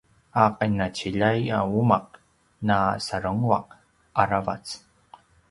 a qinaciljay a umaq na sarenguaq aravac